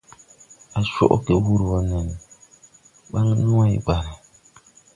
Ar coʼge mbuǧwo nen wo nen ɓan ni wãybane.